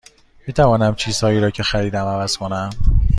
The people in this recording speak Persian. می توانم چیزهایی را که خریدم عوض کنم؟